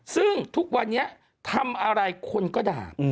ซึ่งทุกวันนี้ทำอะไรคนก็ด่า